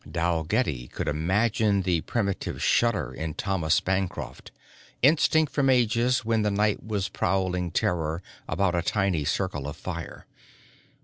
Dalgetty could imagine the primitive shudder in Thomas Bancroft, instinct from ages when the night was prowling terror about a tiny circle of fire.